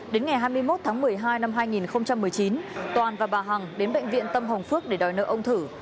đến ngày hai mươi một tháng một mươi hai năm hai nghìn một mươi chín toàn và bà hằng đến bệnh viện tâm hồng phước để đòi nợ ông thử